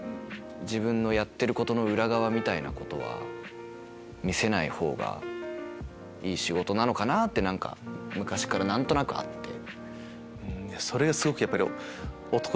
自分のやってることの裏側みたいなことは見せないほうがいい仕事なのかなって昔から何となくあって。